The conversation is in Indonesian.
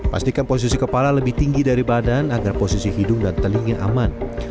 pastikan posisi kepala lebih tinggi dari badan agar posisi hidung dan telinga aman